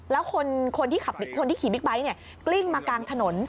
แล้วคนที่ขี่บิ๊กไบท์กลิ้งมากลางถนน